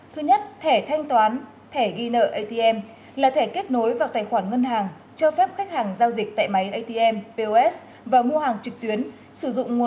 thứ nhất thẻ thanh toán thẻ ghi nợ atm là thẻ kết nối vào tài khoản ngân hàng cho phép khách hàng giao dịch tại mạng